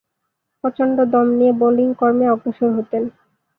প্রচণ্ড দম নিয়ে বোলিং কর্মে অগ্রসর হতেন।